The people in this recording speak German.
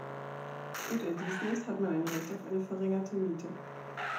Tut er dies nicht, hat man ein Recht auf eine verringerte Miete.